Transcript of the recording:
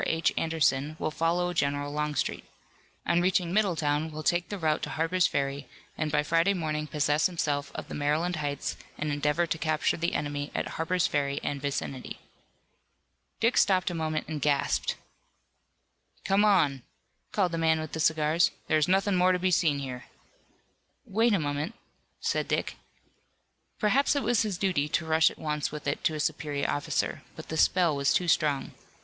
H. Anderson will follow General Longstreet. On reaching Middletown will take the route to Harper's Ferry, and by Friday morning possess himself of the Maryland Heights and endeavor to capture the enemy at Harper's Ferry and vicinity. Dick stopped a moment and gasped. "Come on," called the man with the cigars, "there is nothing more to be seen here." "Wait a moment," said Dick. Perhaps it was his duty to rush at once with it to a superior officer, but the spell was too strong.